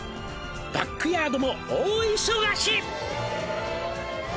「バックヤードも大忙し」